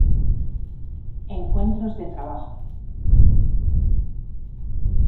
Encuentros de trabajo.